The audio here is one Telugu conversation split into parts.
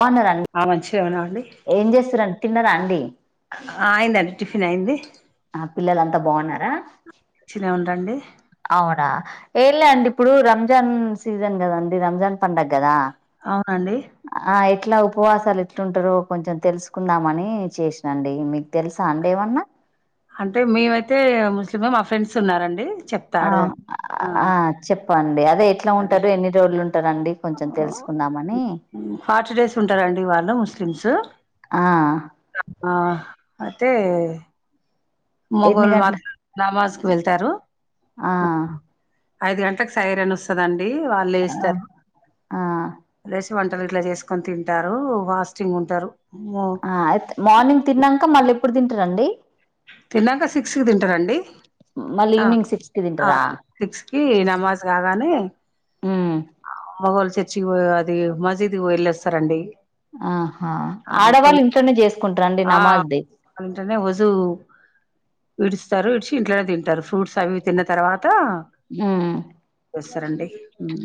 బాన్నర రండి ఆ మంచిదేనా అండి ఏం చేస్తురండీ తిన్నర అండి ఆ అయిందండి టిఫిన్ అయింది ఆ పిల్లలంతా బాగున్నారా చ్చిన ఉండండి అవునా, ఏంలే అండి ఇప్పుడు రంజాన్ సీజన్ కదండి రంజాన్ పండగ కదా అవునండి ఆ ఎట్లా ఉపవాసాలు ఎట్లుంటారో కొంచెం తెలుసుకుందామని చేసినండి. మీకు తెలుసా అండి ఏమన్నా అంటే మేవయితే ముస్లిమ్ మా ఫ్రెండ్స్ ఉన్నరండి ఆ ఆ చెప్ ప్పండి ఆ అదే ఎట్ల ఉంటరు ఏన్ని రోజులు ఉం ఆ ఫార్టీ డేస్ ఉంటారండి వాళ్ళ ముస్లిం స్లిమ్స్ ఆ ఆ అయితే ఎన్ని మొగోలు గంటల మాత్రం నమాజ్ కు వెళ్తారు ఆ ఐదు గంటలకు సైర్ అని వస్తాదండి డీ వాళ్ళు ఆ వేస్తారు ఆ [unintelligible] వంటలు ఇంట్ల చేసుకొని తింటారు ఫాస్టింగ్ ఉంటారు మో ఆ అయితే మార్నింగ్ తిన్నంక మళ్ళీ ఎప్పుడు తింటారండి తిన్నాంక సిక్స్ కి తింటారండి మళ్ళీ ఆ ఈవినింగ్ సిక్స్ కి ఆ తింటరా సిక్స్ కి నమాజ్ మోగోళ్ళు చర్చి కి అది మజీద్ కు వెళ్ళస్తారండి ఆహా ఆడవాళ్ళు ఇంట్లనే చేస్ ఇంట్లోనే వజూ [unintelligible] విడుస్తారు ఇడిచి ఇంట్లోనే తింటారు ఫ్రూట్స్ అవి తిన్న తర్వాత ఉ చేస్తారండి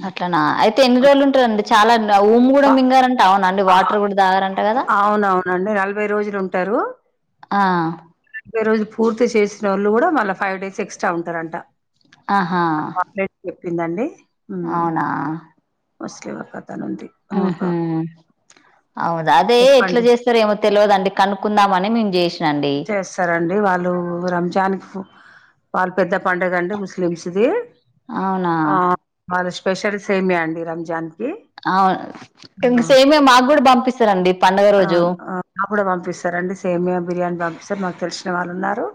అట్లానా అయితే ఎన్ని రోజులు ఉంటారండి చాలాన్ ఊమ్ కూడా ఫ మింగారంట అవునా అండి వాటర్ కూడా తాగారంట కదా అవునవునండి నలభై రోజులు ఉంటారు ఆ రోజు పూర్తి చేసిన వొళ్ళు కూడ మళ్ళ ఫైవ్ డేస్ ఎక్స్ స్ట్రా ఉంటారంట ఆహా మనం అన్ లైన్ కే తిన్నండి అవునా ముస్లిమ్ ఒక అతను ఉంది హ ఒక హ అవున్ అది ఎట్లా చెప్పండి చేస్తారొ ఏమో తెలివదండి కనుక్కుందామని మేము చేస్ చేస్తారండి వాళ్ వాళ్ళు రంజాన్ కి వాళ్ళ పెద్ద పండుగ అండి అవునా స్పెషల్స్ ఏమి అండి రంజాన్ కి అవును ఇంక ఆ సేమియా మాకు కూడా పంపిస్తారండి పండుగ రోజు అవును. ఆ మాకు కూడా పంపిస్తారండి సేమియా బిర్యానీ పంపిస్తారు మాకు తెలిసిన వాళ్ళు ఉన్నారు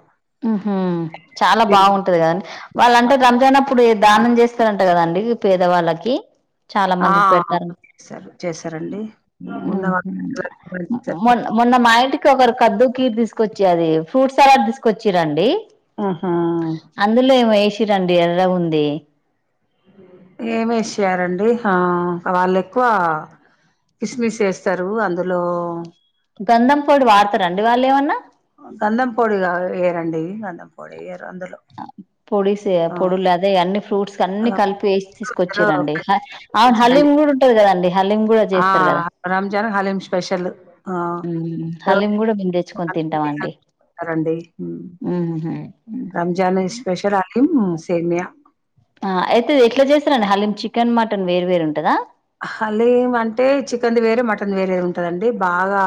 చాలా బాగుంటాది కాదండి వాళ్ళంతా రంజాన్ అప్పుడు దానం చేస్తారంట కదండి పేదవాళ్ళకి చాలా ఆ మందికి పెడతారు చేస్తారు చేస్తారండి ఉన్న మొ మొన్న మా ఇంటికి ఒకరు కద్దు కీర్ తీసుకు ఫ్రూట్స్ సలాడ్ తీసు కొచ్చిరండి ఆహా అందులో ఏమో ఏసి తినండి ఎర్రగా ఉంది ఏం ఏసారండీ గంధం పొడి వాడతర రండి వాళ్ళు ఏమన్నా గంధం పొడి కాదు ఏయ్యారండి గంధం పొడి ఎయ్యారు పొడిసే పొడి లాగా అన్ని ఫ్రూట్స్ ఆ! అన్ని కలిపి వేసి అందులో తీసుకొచ్చరండి ఖర్జూరం ఏస్తారండి. ఆ రంజాన హలీం స్పెషల్ ఆ హల్లిం కూడా మేము తెచ్చుకొని తింటామండి రండి సేమయా అయితే ఎట్లా చేసారండి హలీం చికెన్ మటన్ వేరు వేరుంటదా హలీం అంటే చికెన్ది వేరే మటన్ వేరేది ఉంటదండి బాగా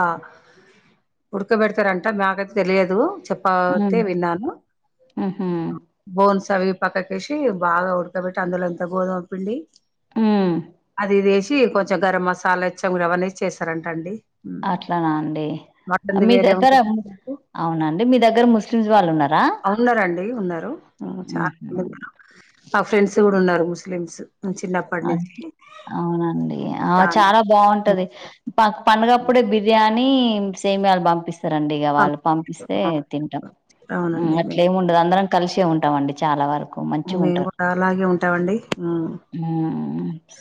ఉడకబెడతారంట మాకైతే తెలియదు హ్మ్ చపాతి తిన్నాను ఉహు బోన్స్ అవి పక్కకేసి బాగా ఉడకబెట్టి అందులో ఎంత గోధుమ పిండి ఉమ్ అది ఇది వేసి కొంచెం గరం మసాలా ఇచ్చం అవన్న చేస్తారంట అండి అట్లానా అండి మటన్ది మీ వేరే దగ్గర ఉంటది అవునండి మీ దగ్గర ముస్లిమ్స్ వాళ్ళు ఉన్నారు ఉన్నారండి ఉన్నారు చాలా మంది ఉన్నారు మా ఫ్రెండ్స్ కూడా ఉన్నారు ముస్లిమ్స్ చిన్నప్పటి ఆ నుంచి అవునండి ఆ చాలా బాగుంటది పండుగప్పుడే బిర్యానీ అని సేమలు పంపిస్తాయి సరండి ఇక వాళ్ళు పంపిస్తే తింటాం అవునండి మే అట్లేం ఉండదు అందరం కలిసే ఉంటాం ఉంటా మండి చాలా వరకు మంచిగా మేము కూడా అలాగే ఉంటామండి ఉ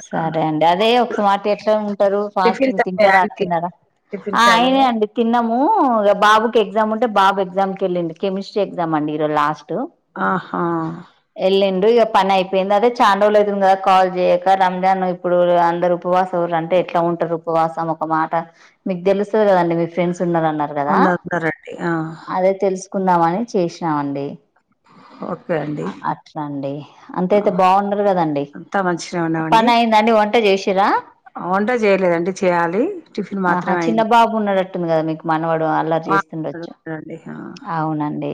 సరే అండి అదే ఒకవఎట్లో ఉంటారు టిఫిన్స్ ఫాస్టింగ్ అయినాయా తింటారా అ అండి తిన్నారా ఆ టిఫిన్స్ అయినాయా అయినాయండి తిన్నాము బాబుకి ఎగ్జామ్ ఉంటే బాబు ఎగ్జామ్ క వెళ్ళింది కెమిస్ట్రీ ఎగ్జామ్ అండి ఈరోజు లాస్ట్ ఆహా వెళ్ళిండు పని అయిపోయింది అదే చానారోజులైతోందిగా కాల్ చేయక రంజాన్ ఇప్పుడు అందరు ఉపవాసులు అంటే ఎట్లా ఉంటారు ఉపవాసం ఒక మాట మీకు తెలుస్తది కదండి మీ ఫ్రెండ్స్ ఉన్నారున్నారు కదా ఉన్నారు ఉన్నారండి ఆ అదే తెలుసు కుందామని చేసినామండి ఒట్ అట్లాండి అంత అయితే బాగున్నారు కదండి పని అయిందండి వంట చేసి అ వంటా చేయలేదండి చేయ్యాలి టిఫిన్ మాత్రమే అయింది టుంది కదా మీకు మనవాడ అల్లరి ఆ చేస్తుండొచ్చు అండి ఆ అవునండి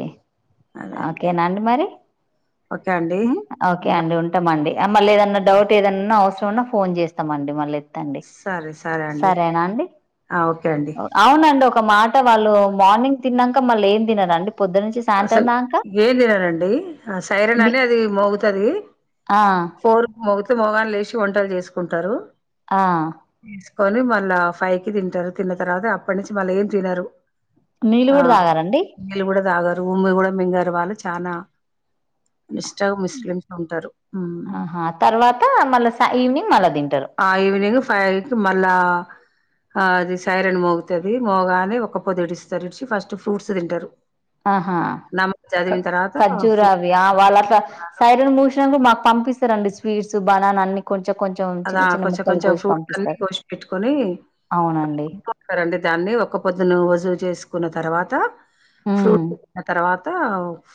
అదే అండి ఓకేనాండి మరి ఓకే అండి ఓకే అండి బాయ్ ఉంటామ అండి మళ్ళీ ఏదన్నా బాయ్ డౌట్ ఏదన్నా అవసరం ఉన్నా ఫోన్ చేస్తామండి మల్లి తాండి సరే సరే అండి సరేనా అండి ఆ ఓకే అండి అవునండి ఒక ఒక మాట వాళ్ళు మార్నింగ్ తిన్నాంక మళ్ళీ ఏం తినారండి అసలు ఏ తినారండి అస సైరన్ ని అని అది మోగుతుంది ఆ ఫోర్ మొగుతే మోగాలు లేచి వంటలు చేసుకుంటారు ఆ కొని మళ్ళా ఫైవ్ కి తింటారు తిన్న తర్వాత అప్పటి నుంచి వళ్లే ఏం తినరు నీళ్లు కూడా తాగారండి ఊమ్మి కూడా మింగారు వాళ్ళు చనా నిష్ట ముస్లిమ్స్ ఉంటారు ఉ ఆహా తర్వాత మళ్ళా ఈవినింగ్ మళ్ళా తింటారు ఆ ఈవినింగ్ ఫైవ్కి మళ్ళా ఆ అది సైరన్ మోగుతుది మోగానే ఒక పొది ఎడిస్తారుఇడిచి ఫస్ట్ ఫ్రూట్స్ తింటారు ఆహా నమాజ్ చదివిన తర్వాత ఖర్జు ఫ్రూట్స్ రావి వాళ్ళ సైరన్ మూ మాకు పంపిస్తారండి స్వీట్స్ బనానా అన్ని కొంచెం కొంచెం అదా చిన్న చిన్న కొంచెం ముక్కలు కొంచెం కోసి ఫ్రూట్స్ అన్ని పంపిస్తారు కోచపెట్టుకొని అవునండి కుంటారండి దాన్ని ఒక్క పొద్దున్న వజువు చేసుకు కున్న తర్వాత ఉమ్ ఫ్రూట్ తర్వాత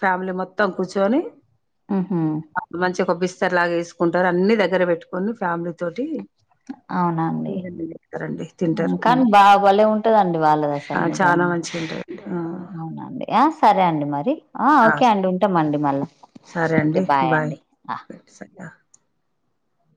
ఫ్యామిలీ మొత్తం కూర్చోని ఉహు అ మంచిగా కొబ్బిస్త సార్లాగేసుకుంటారు అన్ని దగ్గర పెట్టుకొని ఫ్యామిలీ తోటి అవునండి తారండి తింటారు కానీ హ్మ్. బాబలే ఉంటదండి వాళ్ళది అసలు ఆ నిజా చాలా మంచిగా ఉంటాయండి అవునండి ఆ సరే అండి మరి ఆ ఓకే అండి ఉంటామ అండి మళ్ళా సరే ఓకే అండి బాయ్ అండి సరే